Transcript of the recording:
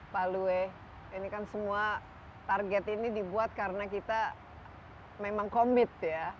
pak lue ini kan semua target ini dibuat karena kita memang komit ya